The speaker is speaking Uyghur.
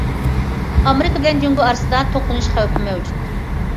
ئامېرىكا بىلەن جۇڭگو ئارىسىدا توقۇنۇش خەۋپى مەۋجۇت.